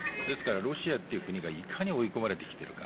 ロシアという国がいかに追い込まれてきているか。